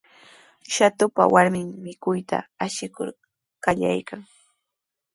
Shatupa warmin mikuyta ashikur qallaykan.